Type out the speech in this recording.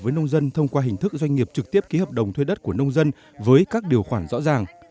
với nông dân thông qua hình thức doanh nghiệp trực tiếp ký hợp đồng thuê đất của nông dân với các điều khoản rõ ràng